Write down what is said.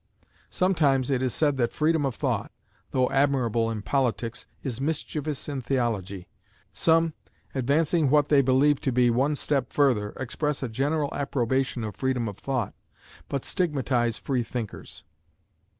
Sometimes it is said that freedom of thought, though admirable in politics, is mischievous in theology: some, advancing what they believe to be one step further, express a general approbation of freedom of thought, but stigmatize free thinkers.